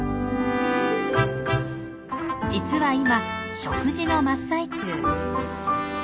実は今食事の真っ最中。